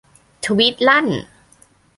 ทวีตลั่น